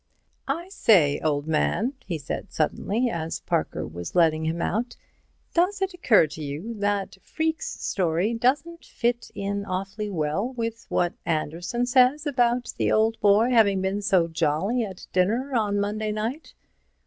"I say, old man," he said suddenly, as Parker was letting him out, "does it occur to you that Freke's story doesn't fit in awfully well with what Anderson said about the old boy having been so jolly at dinner on Monday night?